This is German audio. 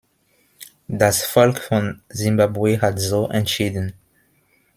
Das Volk von Simbabwe hat so entschieden.